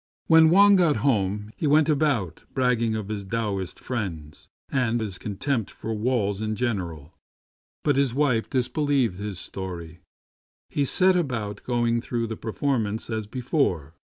When Wang got home, he went about bragging of his Taoist friends and his contempt for walls in general; but as his wife disbelieved his story, he set about going through the performance as before.